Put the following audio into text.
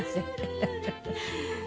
フフフフ。